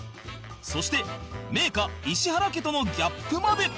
そして名家石原家とのギャップまで